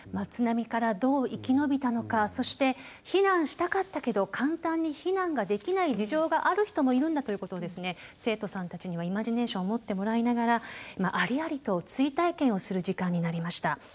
津波からどう生き延びたのかそして避難したかったけど簡単に避難ができない事情がある人もいるんだということを生徒さんたちにはイマジネーションを持ってもらいながらありありと追体験をする時間になりました。